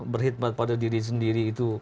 berhidmat pada diri sendiri itu